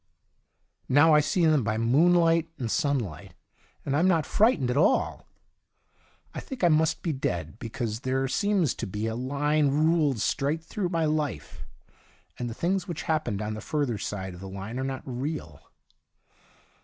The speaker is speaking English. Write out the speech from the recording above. Now I see 19 THE DIARY OF A GOD them by moonlight and sunlight, and I am not frightened at all. I think I must be dead, because there seems to be a line ruled straight through my life, and the things which happened on the further side of the line are not real.